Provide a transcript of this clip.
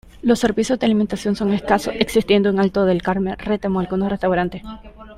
Los servicios de alimentación son escasos, existiendo en Alto del Carmen, Retamo algunos restaurantes.